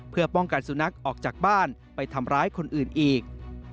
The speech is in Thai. เพื่อป้องกันสุนัขออกจากบ้านไปทำร้ายคนอื่นอีก